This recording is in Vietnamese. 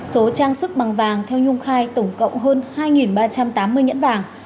số trang sức bằng vàng theo nhung khai tổng cộng hơn hai ba trăm tám mươi nhẫn vàng